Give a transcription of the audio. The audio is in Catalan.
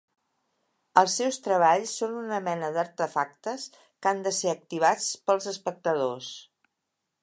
Els seus treballs són una mena d'artefactes que han de ser activats pels espectadors.